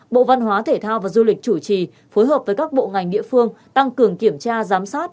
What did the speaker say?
bộ văn hóa thể thao và du lịch chủ trì phối hợp với các bộ ngành địa phương tăng cường kiểm tra giám sát